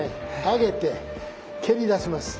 上げて蹴りだします。